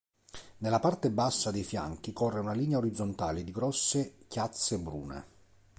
Nella parte bassa dei fianchi corre una linea orizzontale di grosse chiazze brune.